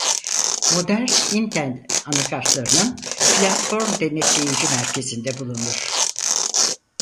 Modern Intel anakartlarının Platform Denetleyici Merkezinde bulunur.